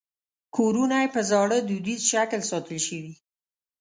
کورونه یې په زاړه دودیز شکل ساتل شوي.